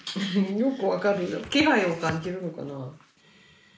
よく分かるな気配を感じるのかな。